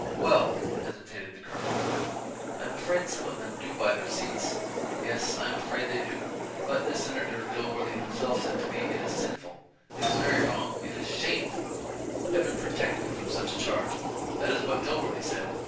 "Well" hesitated the Colonel "I am afraid some of them do buy their seats yes, I am afraid they do but as Senator Dilworthy himself said to me, it is sinful, it is very wrong it is shameful; Heaven protect me from such a charge. That is what Dilworthy said.